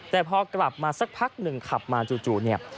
แต่พอกลับมาสักพักหนึ่งขับมาจู่เนี่ย